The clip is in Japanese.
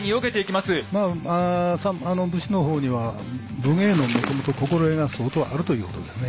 まあ武士の方には武芸のもともと心得が相当あるということですね。